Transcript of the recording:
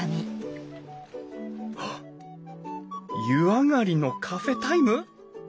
湯上がりのカフェタイム？